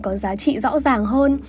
có giá trị rõ ràng hơn